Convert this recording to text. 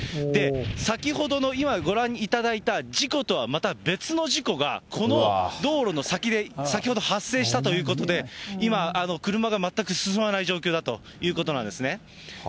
先ほどの、今ご覧いただいた事故とはまた別の事故が、この道路の先で先ほど発生したということで、今、車が全く進まない状況だということなんですね。